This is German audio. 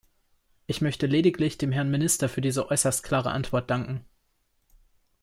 Ich möchte lediglich dem Herrn Minister für diese äußerst klare Antwort danken.